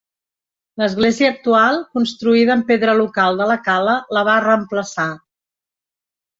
L'església actual, construïda amb pedra local de la cala, la va reemplaçar.